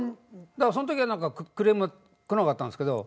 だからそのときはクレームは来なかったんですけど。